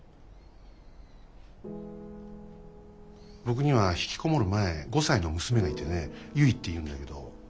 僕にはひきこもる前５歳の娘がいてねゆいっていうんだけど。